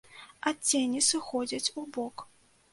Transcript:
Адценні сыходзяць у бок.